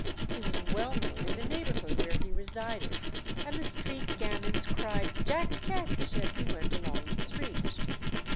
He was well known in the neighbourhood where he resided, and the street gamins cried "Jack Ketch" as he went along the street.